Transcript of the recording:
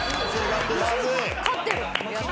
勝ってる！